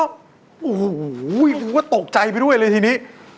โอ้โห๊ยก็ตกใจไปด้วยทีนี้